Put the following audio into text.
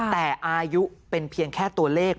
แต่อายุเป็นเพียงแค่ตัวเลข